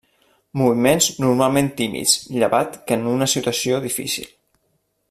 Moviments normalment tímids llevat que en una situació difícil.